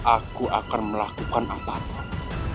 aku akan melakukan apapun